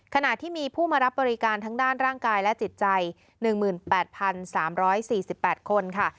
ขณะที่มีผู้มารับบริการทั้งด้านร่างกายและจิตใจ๑๘๓๔๘คนค่ะ